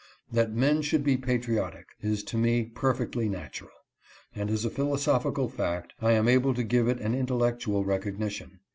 That men should be patriotic, is to me perfectly natural ; and as a philosophical fact, I am able to give it an intellectual recognition.